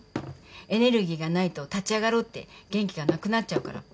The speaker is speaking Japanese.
エネルギーがないと立ち上がろうって元気がなくなっちゃうから。